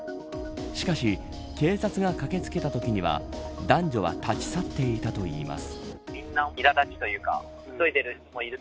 しかし警察が駆け付けたときには男女は立ち去っていたといいます。